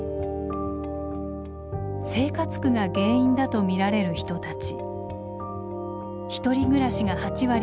生活苦が原因だと見られる人たち。